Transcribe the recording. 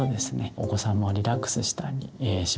お子さんもリラックスしたりします。